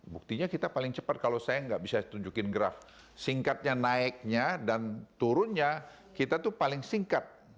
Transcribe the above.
buktinya kita paling cepat kalau saya tidak bisa tunjukkan graf singkatnya naiknya dan turunnya kita itu paling singkat